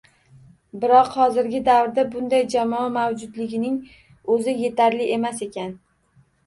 Biroq hozirgi davrda bunday jamoa mavjudligining o‘zi yetarli emas ekan.